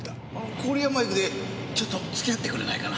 郡山駅でちょっと付き合ってくれないかな。